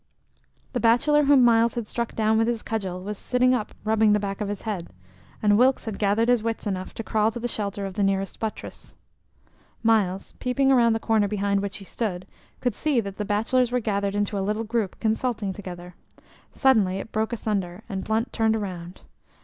The bachelor whom Myles had struck down with his cudgel was sitting up rubbing the back of his head, and Wilkes had gathered his wits enough to crawl to the shelter of the nearest buttress. Myles, peeping around the corner behind which he stood, could see that the bachelors were gathered into a little group consulting together. Suddenly it broke asunder, and Blunt turned around.